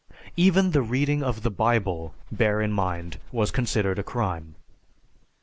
_Even the reading of the Bible, bear in mind, was considered a crime.